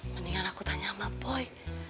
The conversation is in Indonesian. mendingan aku tanya sama poi